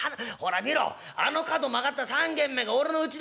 あの角曲がった３軒目が俺のうちだ」。